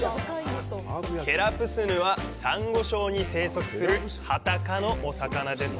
ケラプスンは、サンゴ礁に生息するハタ科のお魚です。